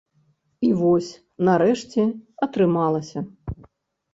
І вось, нарэшце, атрымалася.